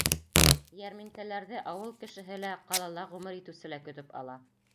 Йәрминкәләрҙе ауыл кешеһе лә, ҡалала ғүмер итеүсе лә көтөп ала.